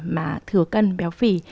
mà thừa cân béo phì